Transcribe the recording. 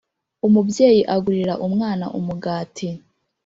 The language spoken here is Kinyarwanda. umubyeyi agurira umwana umugati